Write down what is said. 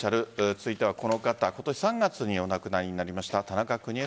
続いては今年３月にお亡くなりになりました